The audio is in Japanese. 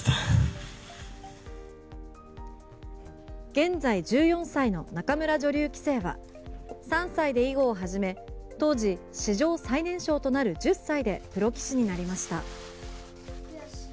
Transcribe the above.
現在１４歳の仲邑女流棋聖は３歳で囲碁を始め当時、史上最年少となる１０歳でプロ棋士になりました。